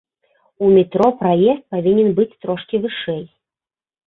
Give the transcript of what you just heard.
У метро праезд павінен быць трошкі вышэй.